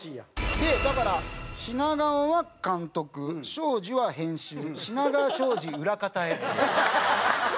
だから「品川は監督庄司は編集」「品川庄司裏方へ」。